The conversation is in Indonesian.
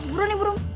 burung nih burung